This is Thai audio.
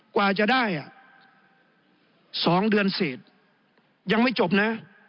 กว่าจะได้๒เดือนเศษยังไม่จบนะ